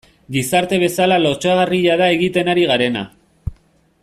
Gizarte bezala lotsagarria da egiten ari garena.